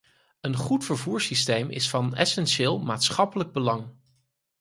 Een goed vervoersysteem is van essentieel maatschappelijk belang.